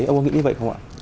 ông có nghĩ như vậy không ạ